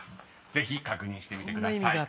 ［ぜひ確認してみてください］